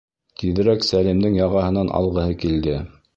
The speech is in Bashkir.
Тиҙерәк Сәлимдең яғаһынан алғыһы килде.